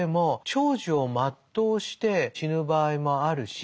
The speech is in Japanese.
長寿を全うして死ぬ場合もあるし